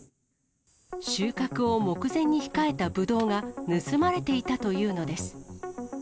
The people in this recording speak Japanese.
収穫を目前に控えたブドウが盗まれていたというのです。